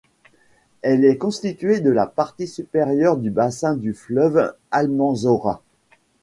Elle est constituée de la partie supérieure du bassin du fleuve Almanzora.